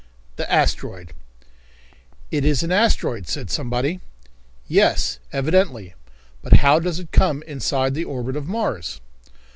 The Asteroid. "It is an asteroid," said somebody. "Yes, evidently; but how does it come inside the orbit of Mars?"